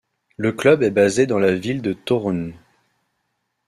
Le club est basé dans la ville de Toruń.